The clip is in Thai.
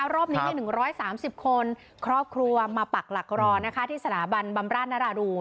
รอบนี้๑๓๐คนครอบครัวมาปักหลักรอที่สถาบันบำราชนราดูน